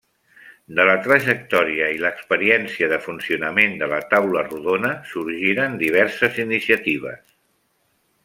De la trajectòria i l'experiència de funcionament de La Taula Rodona sorgiran diverses iniciatives.